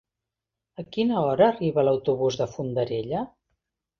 A quina hora arriba l'autobús de Fondarella?